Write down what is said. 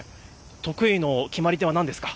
得意の決まり手は何ですか。